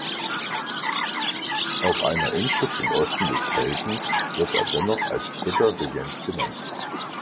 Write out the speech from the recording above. Auf einer Inschrift im Osten des Felsens wird er dennoch als dritter Regent genannt.